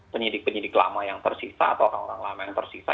penyidik penyidik lama yang tersisa atau orang orang lama yang tersisa